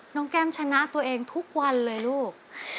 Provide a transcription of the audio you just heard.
แก้มชนะตัวเองทุกวันเลยลูก